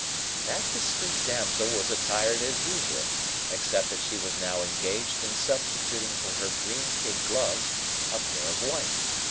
That discreet damsel was attired as usual, except that she was now engaged in substituting for her green kid gloves a pair of white.